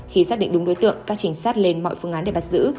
khi xác định đúng đối tượng các trình sát lên mọi phương án để bắt giữ